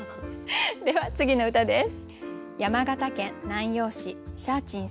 では次の歌です。